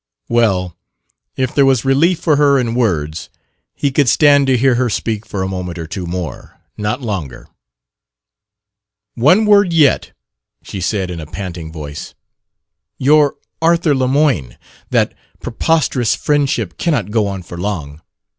Well, if there was relief for her in words, he could stand to hear her speak for a moment or two more, not longer. "One word yet," she said in a panting voice. "Your Arthur Lemoyne. That preposterous friendship cannot go on for long.